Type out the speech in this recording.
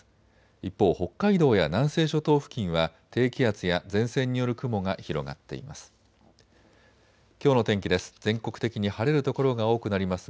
一方、北海道や南西諸島付近は低気圧や前線による雲が広がっています。